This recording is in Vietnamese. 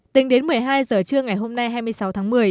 tính đến một mươi hai giờ trưa ngày hôm nay hai mươi sáu tháng một mươi